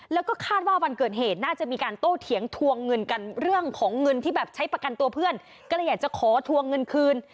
แล้วก็คาดว่าวันเกิดเหตุน่าจะมีการโต้เถียงทวงเงินกันเรื่องของเงินที่แบบใช้ประกันตัวเพื่อนก็เลยอยากจะขอทวงเงินคืน